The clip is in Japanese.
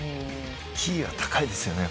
キーが高いですよね。